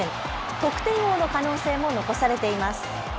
得点王の可能性も残されています。